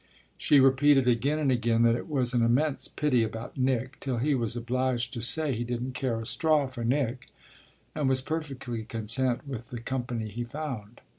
She repeated again and again that it was an immense pity about Nick, till he was obliged to say he didn't care a straw for Nick and was perfectly content with the company he found.